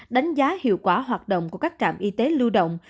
đánh giá hiệu quả hoạt động của các trạm y tế lưu động